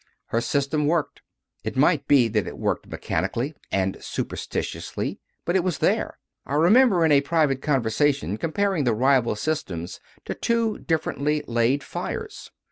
Her 96 CONFESSIONS OF A CONVERT system worked. It might be that it worked me chanically and superstitiously, but it was there. I remember in a private conversation comparing the rival systems to two differently laid fires.